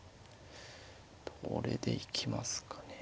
どれで行きますかね。